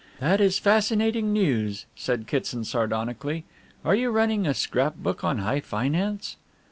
"That is fascinating news," said Kitson sardonically. "Are you running a scrap book on high finance?"